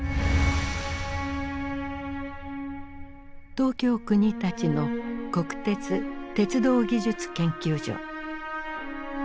東京・国立の国鉄鉄道技術研究所。